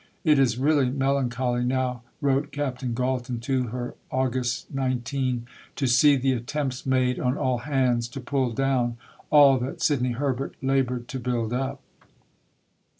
"It is really melancholy now," wrote Captain Galton to her (Aug. 19), "to see the attempts made on all hands to pull down all that Sidney Herbert laboured to build up."